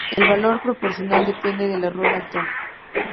El valor Proporcional depende del error actual.